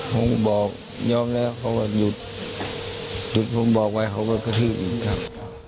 ห้องบอกยอมแล้วเขาแบบหยุดหยุดห้องบอกไว้เขาก็ที่อื่นครับ